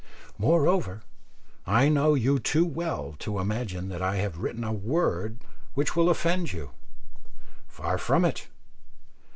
Moreover, I know you too well to imagine that I have written a word which will offend you. Far from it.